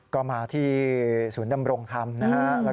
ก็มาที่ศูนย์ดำรงธรรมนะครับ